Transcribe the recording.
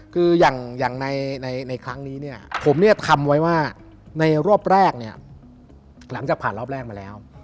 คืออย่างในครั้งนี้ผมทำไว้ว่ามีโลกแรกหลังจากผ่านรอบแรกมาแล้ว